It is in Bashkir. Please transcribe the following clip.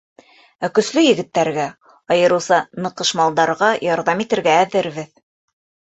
Ә көслө егеттәргә, айырыуса ныҡышмалдарға, ярҙам итергә әҙербеҙ.